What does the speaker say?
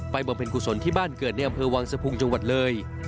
บำเพ็ญกุศลที่บ้านเกิดในอำเภอวังสะพุงจังหวัดเลย